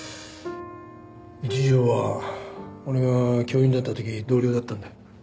一条は俺が教員だった時同僚だったんだよ。